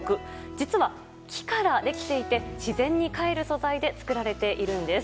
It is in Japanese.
実は、木からできていて自然にかえる素材で作られているんです。